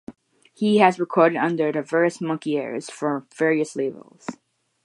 He has recorded under diverse monikers for various labels.